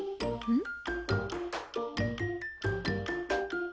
うん？